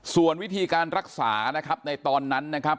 ส่วนวิธีการรักษานะครับในตอนนั้นนะครับ